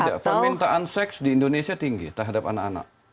tidak permintaan seks di indonesia tinggi terhadap anak anak